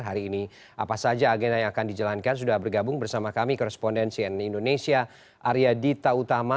hari ini apa saja agenda yang akan dijalankan sudah bergabung bersama kami korespondensi indonesia arya dita utama